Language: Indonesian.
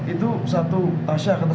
itu satu tasha ketemu